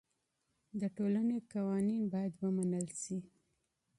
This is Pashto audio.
د ټولني قوانین باید مراعات سي.